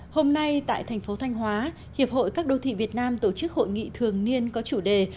hôm nay tại thành phố thanh hóa hiệp hội các đô thị việt nam tổ chức hội nghị thường niên có chủ đề